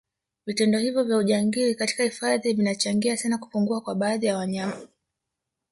Vitendo hivyo vya ujangili katika hifadhi vinacahangia sana kupungua kwa baadhi ya wanyama